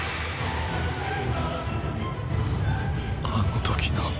あの時の。